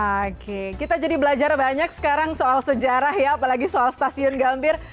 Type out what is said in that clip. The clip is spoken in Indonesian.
oke kita jadi belajar banyak sekarang soal sejarah ya apalagi soal stasiun gambir